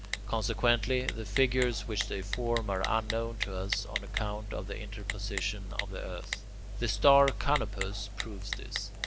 Consequently, the figures which they form are unknown to us on account of the interposition of the earth. The star Canopus proves this.